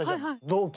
同期？